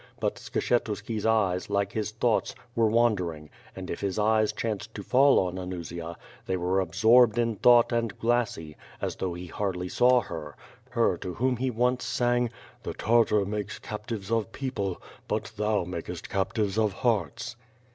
But Skshetuski's eyes, like his thoughts, were wan dering, and if his eyes chanced to fall on Anusia, they were absorbed in thought and glassy, as though he hardly saw her, — her to whom he once sang: " The Tartar makes captives of people, But thou makest captives of hearts